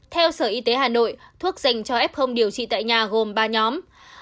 theo sở y tế hà nội thuốc dành cho f điều trị tại nhà gồm ba nhóm